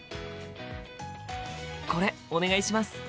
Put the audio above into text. これお願いします！